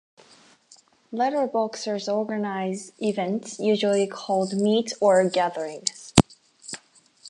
Letterboxers organize events, usually called "meets" or "gatherings".